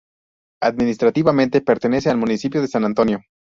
Administrativamente pertenece al municipio de San Antonio.